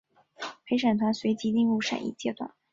陪审团随即进入审议阶段。